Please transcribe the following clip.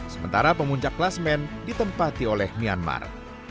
sementara pemuncak kelas main ditempati oleh myanmar